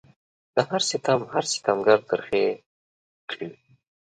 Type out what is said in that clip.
د هر ستم هر ستمګر ترخې کړي